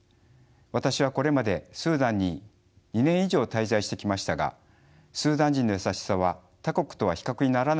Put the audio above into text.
私はこれまでスーダンに２年以上滞在してきましたがスーダン人の優しさは他国とは比較にならないほどぬきんでています。